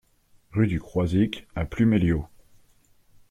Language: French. Rue du Croizic à Pluméliau